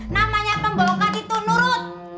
namanya pembokat itu nurut